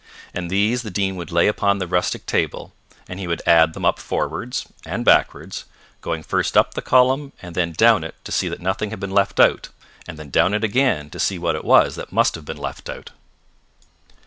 And these the Dean would lay upon the rustic table, and he would add them up forwards and backwards, going first up the column and then down it to see that nothing had been left out, and then down it again to see what it was that must have been left out.